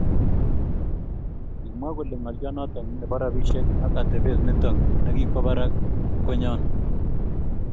Kimwa kole ngaliot noto nebo rabisiek ak atepet nito niki kwo barak ko nyon